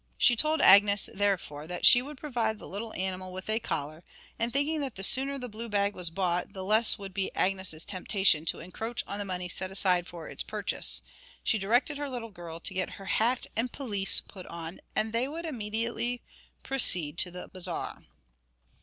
She told Agnes, therefore, that she would provide the little animal with a collar, and thinking that the sooner the blue bag was bought the less would be Agnes's temptation to encroach on the money set aside for its purchase, she directed her little girl to get her hat and pelisse put on, and they would proceed immediately to the Bazaar.